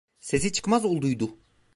Sesi çıkmaz olduydu.